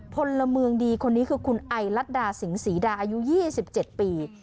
พลเมืองดีคนนี้คือคุณไอรัดดาสิงศรีดาอายุยี่สิบเจ็ดปี